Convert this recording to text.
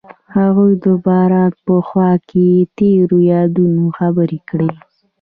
هغوی د باران په خوا کې تیرو یادونو خبرې کړې.